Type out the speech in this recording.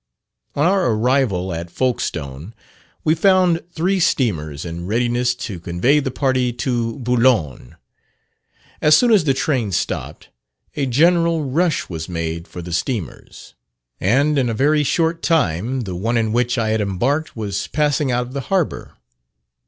On our arrival at Folkstone, we found three steamers in readiness to convey the party to Boulogne. As soon as the train stopped, a general rush was made for the steamers; and in a very short time the one in which I had embarked was passing out of the harbour.